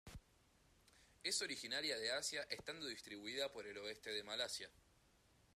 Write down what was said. Es originaria de Asia estando distribuida por el oeste de Malasia.